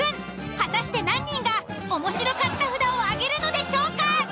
果たして何人が「おもしろかった」札を挙げるのでしょうか！？